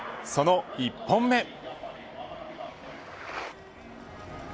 その１本目。